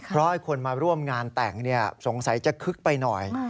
เพราะคนมาร่วมงานแต่งสงสัยจะคึกไปหน่อย